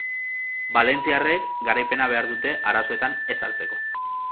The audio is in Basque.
Valentziarrek garaipena behar dute arazoetan ez sartzeko.